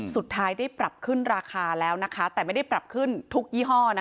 สุดท้ายได้ปรับขึ้นราคาแล้วนะคะแต่ไม่ได้ปรับขึ้นทุกยี่ห้อนะคะ